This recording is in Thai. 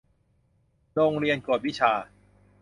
โรงเรียนกวดวิชา